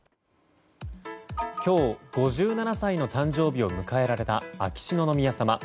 今日５７歳の誕生日を迎えられた秋篠宮さま。